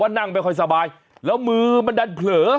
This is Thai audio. ว่านั่งไม่ค่อยสบายแล้วมือมันดัดเผลอไปโดน